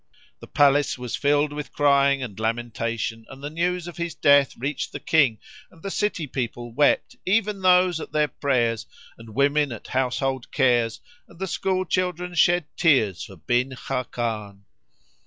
The palace was filled with crying and lamentation and the news of his death reached the King, and the city people wept, even those at their prayers and women at household cares and the school children shed tears for Bin Khákán.